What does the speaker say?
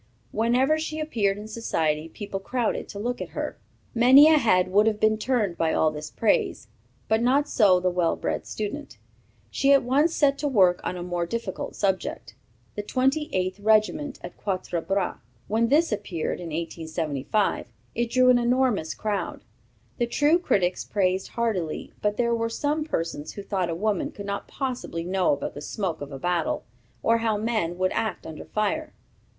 Whenever she appeared in society, people crowded to look at her. Many a head would have been turned by all this praise; not so the well bred student. She at once set to work on a more difficult subject, "The Twenty eighth Regiment at Quatre Bras." When this appeared, in 1875, it drew an enormous crowd. The true critics praised heartily, but there were some persons who thought a woman could not possibly know about the smoke of a battle, or how men would act under fire.